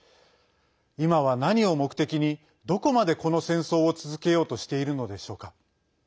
今は何を目的にどこまで、この戦争を続けようとしているのでしょうか。